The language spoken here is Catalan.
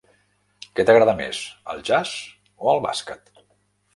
Què t'agrada més, el jazz o el bàsquet?